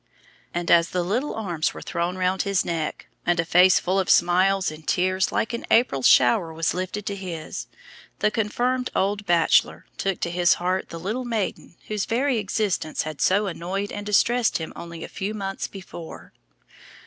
And as the little arms were thrown round his neck, and a face full of smiles and tears like an April shower was lifted to his, the "confirmed old bachelor" took to his heart the little maiden whose very existence had so annoyed and distressed him only a few months before.